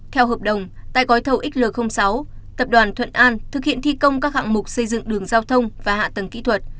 theo hợp đồng tại gói thầu xl sáu tập đoàn thuận an thực hiện thi công các hạng mục xây dựng đường giao thông và hạ tầng kỹ thuật